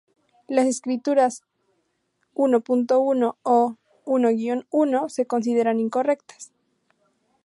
Las escrituras ⟨l.l⟩ o ⟨l-l⟩ se consideran incorrectas.